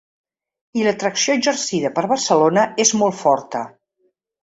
I l’atracció exercida per Barcelona és molt forta.